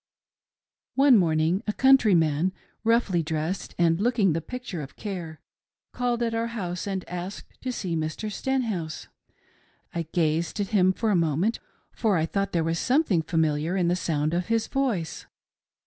One morning, a countryman, roughly dressed and looking the picture of care, called at our house and asked to see Mr. Stenhouse. I gazed at him for a moment, for I thought there was something familiar in the sound of his voice.